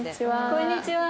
こんにちは。